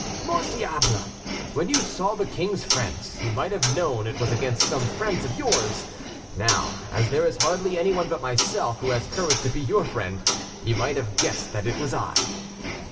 "Mort diable! when you saw the king's friends, you might have known it was against some friends of yours. Now, as there is hardly any one but myself who has courage to be your friend, you might have guessed that it was I."